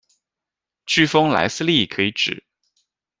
飓风莱斯利可以指：